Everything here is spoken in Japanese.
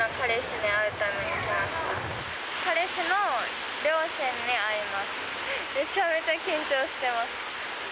めちゃめちゃ緊張してます。